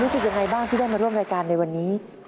รู้สึกยังไงบ้างที่ได้มาร่วมรายการในวันนี้